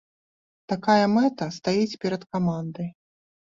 Такая мэта стаіць перад камандай.